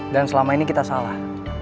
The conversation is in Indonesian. dan selama ini kita salah